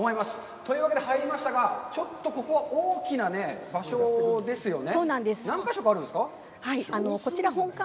というわけで入りましたが、ちょっと、ここは大きなね、場所ですよね。